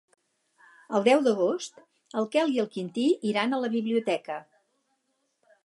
El deu d'agost en Quel i en Quintí iran a la biblioteca.